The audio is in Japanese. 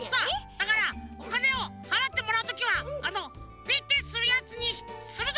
だからおかねをはらってもらうときはあのピッてするやつにするぞ！